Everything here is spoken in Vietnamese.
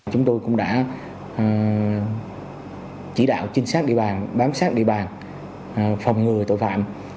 chúng tôi cũng đã chỉ đạo trinh sát địa bàn bám sát địa bàn phòng ngừa tội phạm